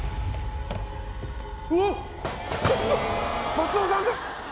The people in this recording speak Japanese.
松尾さんです！